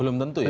belum tentu ya